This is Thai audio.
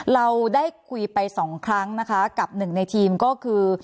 เราได้คุยไปสองครั้งนะคะกับหนึ่งในทีมก็คือ